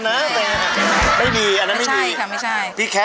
สวัสดีครับ